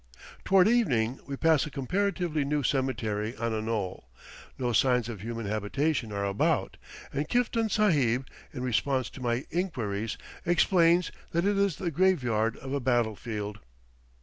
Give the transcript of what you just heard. Toward evening we pass a comparatively new cemetery on a knoll; no signs of human habitation are about, and Kiftan Sahib, in response to my inquiries, explains that it is the graveyard of a battle field.